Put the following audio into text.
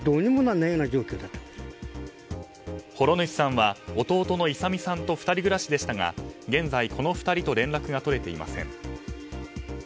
袰主さんは弟の勇さんと２人暮らしでしたが現在、この２人と連絡が取れていません。